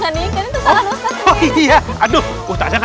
satu lagi ustaz satu lagi